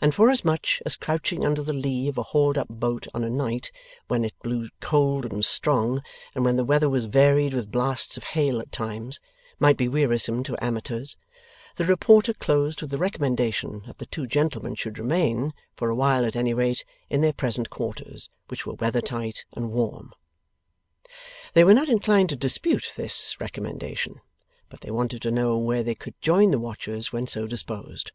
And forasmuch as crouching under the lee of a hauled up boat on a night when it blew cold and strong, and when the weather was varied with blasts of hail at times, might be wearisome to amateurs, the reporter closed with the recommendation that the two gentlemen should remain, for a while at any rate, in their present quarters, which were weather tight and warm. They were not inclined to dispute this recommendation, but they wanted to know where they could join the watchers when so disposed.